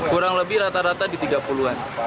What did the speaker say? kurang lebih rata rata di tiga puluh an